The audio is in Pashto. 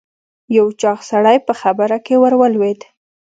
یو چاغ سړی په خبره کې ور ولوېد.